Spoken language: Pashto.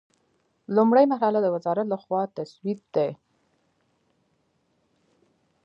لومړۍ مرحله د وزارت له خوا تسوید دی.